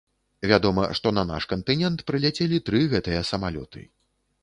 Вядома, што на наш кантынент прыляцелі тры гэтыя самалёты.